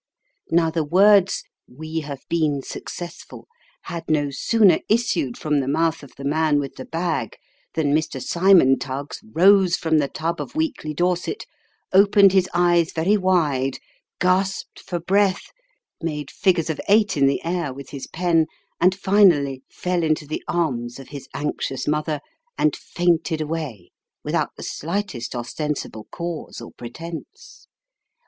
Now the words " we have been successful," had no sooner issued from the mouth of the man with the bag, than Mr. Simon Tuggs rose Tidings from the Temple. 253 from the tub of weekly Dorset, opened his eyes very wide, gasped for breath, made figures of eight in the air with his pen, and finally fell into the arms of his anxious mother, and fainted away without the slightest ostensible cause or pretence.